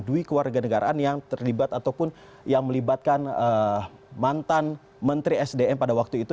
dwi keluarga negaraan yang terlibat ataupun yang melibatkan mantan menteri sdm pada waktu itu